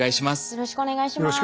よろしくお願いします。